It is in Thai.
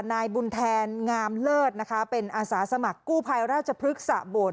นายบุญแทนงามเลิศนะคะเป็นอาสาสมัครกู้ภัยราชพฤกษะโบด